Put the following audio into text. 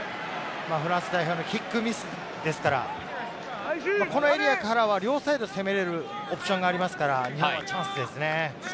フランス代表のキックミスですから、このエリアからは両サイドを攻めれるオプションがありますから日本はチャンスですね。